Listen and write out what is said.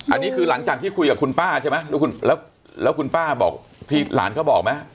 อันนี้คือหลังจากที่คุยกับคุณป้าใช่ไหมแล้วคุณป้าบอกที่หลานเขาบอกไหม